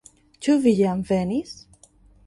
Ĉu vi jam venis?